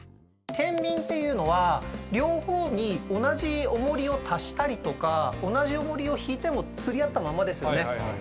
天秤っていうのは両方に同じ重りを足したりとか同じ重りを引いても釣り合ったまんまですよね。